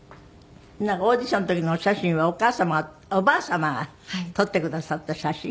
なんかオーディションの時のお写真はお母様がおばあ様が撮ってくださった写真？